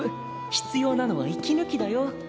必要なのは息ぬきだよ。